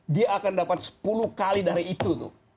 dia akan dapat sepuluh kali dari itu tuh